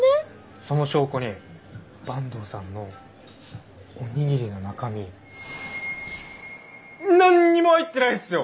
その証拠に坂東さんのおにぎりの中身何にも入ってないんすよ！